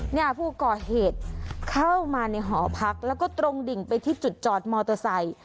เนี่ยผู้ก่อเหตุเข้ามาในหอพักแล้วก็ตรงดิ่งไปที่จุดจอดมอเตอร์ไซค์